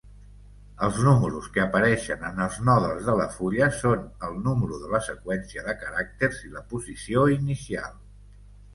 Els números que apareixen en els nodes de la fulla són el número de la seqüència de caràcters i la posició inicial.